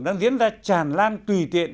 đang diễn ra tràn lan tùy tiện